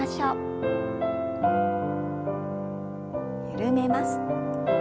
緩めます。